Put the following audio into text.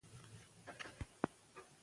ملالۍ به خپلې لنډۍ وایي.